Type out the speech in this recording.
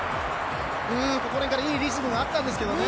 ここら辺から、いいリズムがあったんですけどね。